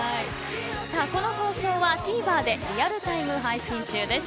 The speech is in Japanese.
この放送はＴＶｅｒでリアルタイム配信中です。